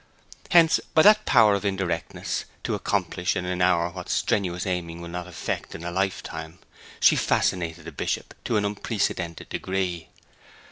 Hence, by that power of indirectness to accomplish in an hour what strenuous aiming will not effect in a life time, she fascinated the Bishop to an unprecedented degree.